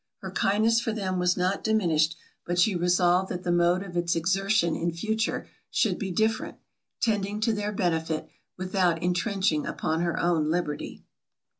Her kindness for them was not diminished, but she resolved that the mode of its exertion in future should be different, tending to their benefit, without intrenching upon her own liberty.